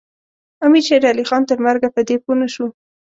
امیر شېرعلي خان تر مرګه په دې پوه نه شو.